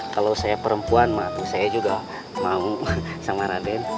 kalau saya perempuan saya juga mau sama raden